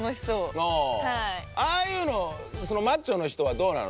ああいうのマッチョの人はどうなの？